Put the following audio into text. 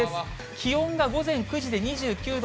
気温が午前９時で２９度。